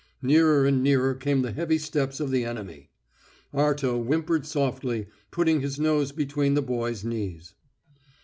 Nearer and nearer came the heavy steps of the enemy. Arto whimpered softly, putting his nose between the boy's knees.